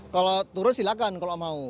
kalau turun silakan kalau mau